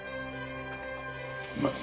うまい。